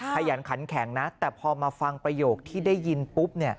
ขยันขันแข็งนะแต่พอมาฟังประโยคที่ได้ยินปุ๊บ